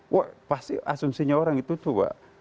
wah pasti asumsinya orang itu tuh tua